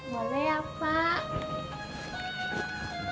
boleh ya pak